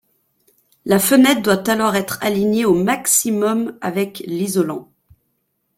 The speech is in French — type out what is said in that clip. La fenêtre doit alors être alignée au maximum avec l'isolant.